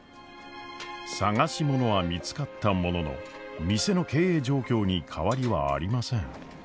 捜し物は見つかったものの店の経営状況に変わりはありません。